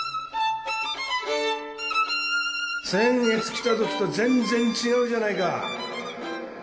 先月来たときと全然違うじゃないか